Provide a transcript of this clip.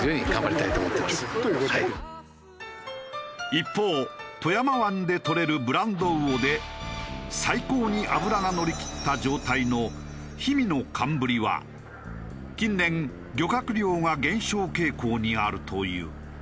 一方富山湾でとれるブランド魚で最高に脂が乗りきった状態のひみの寒ぶりは近年漁獲量が減少傾向にあるという。